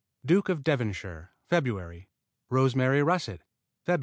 Duke of Devonshire Feb. Rosemary Russet Feb.